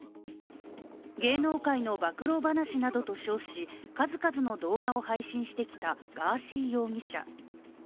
芸能界の暴露話などと称し、数々の動画を配信してきたガーシー容疑者。